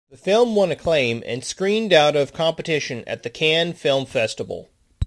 The film won acclaim, and screened out of competition at the Cannes Film Festival.